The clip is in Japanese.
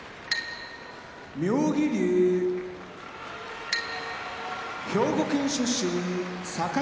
妙義龍兵庫県出身境川部屋